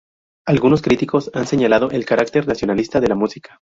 Algunos críticos han señalado el carácter nacionalista de la música.